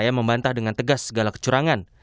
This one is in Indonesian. yang membantah dengan tegas segala kecurangan